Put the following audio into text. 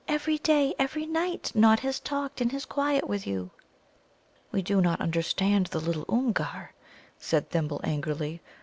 Every day, every night, Nod has talked in his quiet with you." "We do not understand the little Oomgar," said Thimble angrily.